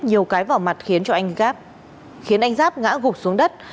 đồng đã dùng tay đấm liên tiếp nhiều cái vào mặt khiến anh giáp ngã gục xuống đất